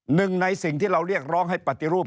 หนึ่งในสิ่งที่เราเรียกร้องให้ปฏิรูป